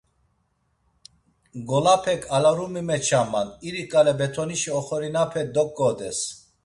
Ngolapek alarumi meçaman, iriǩale betonişi oxorinape doǩodes.